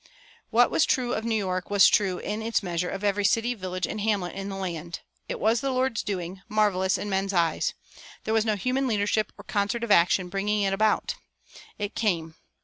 What was true of New York was true, in its measure, of every city, village, and hamlet in the land. It was the Lord's doing, marvelous in men's eyes. There was no human leadership or concert of action in bringing it about. It came.